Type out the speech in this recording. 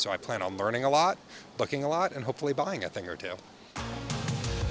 jadi saya berplan untuk belajar banyak melihat banyak dan semoga membeli beberapa